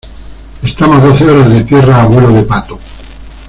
estamos a doce horas de tierra a vuelo de pato.